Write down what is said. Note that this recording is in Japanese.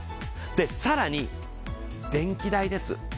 更に、電気代です。